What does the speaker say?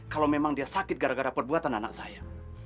kalau memang dia sakit gara gara perbuatan anak saya